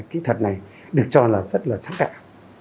kỹ thuật này được cho là rất là sáng tạo